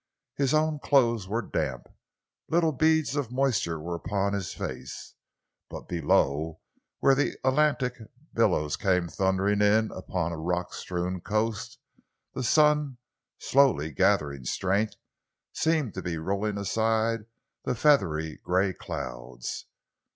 His own clothes were damp. Little beads of moisture were upon his face. But below, where the Atlantic billows came thundering in upon a rock strewn coast, the sun, slowly gathering strength, seemed to be rolling aside the feathery grey clouds.